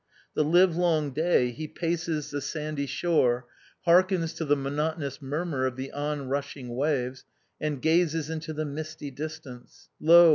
The livelong day he paces the sandy shore, hearkens to the monotonous murmur of the onrushing waves, and gazes into the misty distance: lo!